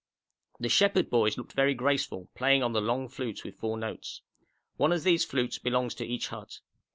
The shepherd boys looked very graceful, playing on the long flutes with four notes. One of these flutes belongs to each hut.